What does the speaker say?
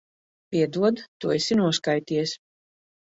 Piedod. Tu esi noskaities.